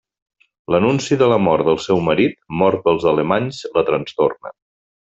L'anunci de la mort del seu marit, mort pels alemanys la trastorna.